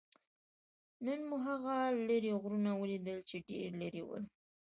نن مو هغه لرې غرونه ولیدل؟ چې ډېر لرې ول.